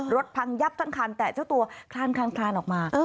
พังยับทั้งคันแต่เจ้าตัวคลานออกมา